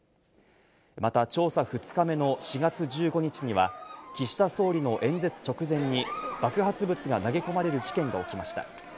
また調査２日目の４月１５日には岸田総理の演説直前に爆発物が投げ込まれる事件が起きました。